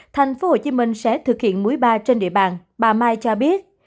tp hcm sẽ thực hiện mũi ba trên địa bàn bà mai cho biết